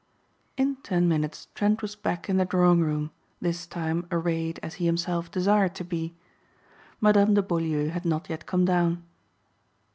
In ten minutes Trent was back in the drawing room this time arrayed as he himself desired to be. Madame de Beaulieu had not yet come down.